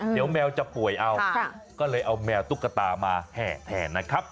เดี๋ยวแมวจะป่วยเอาก็เลยเอาแมวตุ๊กตามาแห่แทนนะครับ